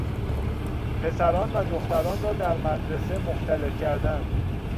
پسران و دختران را در مدرسه مختلط کردن